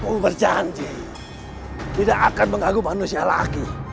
oh berjanji tidak akan mengganggu manusia lagi